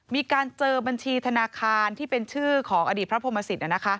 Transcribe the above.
มีการเจอบัญชีธนาคารที่เป็นชื่อของอดีตพระพรหมสิต